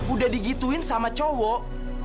udah digituin sama cowok